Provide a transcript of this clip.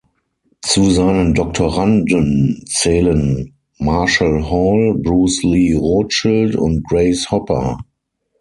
Zu seinen Doktoranden zählen Marshall Hall, Bruce Lee Rothschild und Grace Hopper.